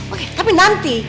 oke tapi nanti